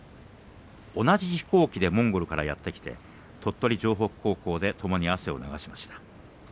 同じ飛行機でモンゴルからやってきて鳥取城北高校でともに汗を流しました。